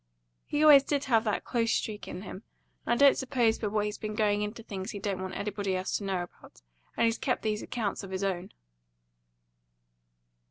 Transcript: He always did have that close streak in him, and I don't suppose but what he's been going into things he don't want anybody else to know about, and he's kept these accounts of his own."